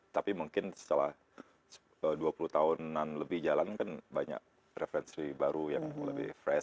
tapi mungkin setelah dua puluh tahunan lebih jalan kan banyak referensi baru yang lebih fresh